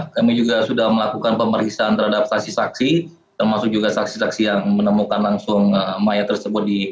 kami juga sudah melakukan pemeriksaan terhadap saksi saksi termasuk juga saksi saksi yang menemukan langsung mayat tersebut